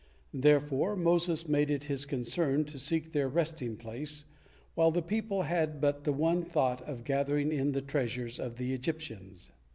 Therefore Moses made it his concern to seek their resting place, while the people had but the one thought of gathering in the treasures of the Egyptians.